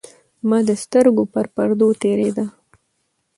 زمـا د سـترګو پـر پـردو تېـرېده.